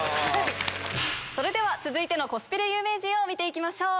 それでは続いてのコスプレ有名人見て行きましょう。